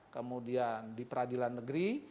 kemudian di peradilan negeri